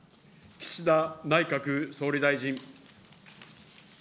岸田内閣総理大臣。